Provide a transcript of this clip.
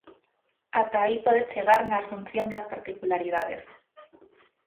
Até aí pode chegar na asunción das particularidades.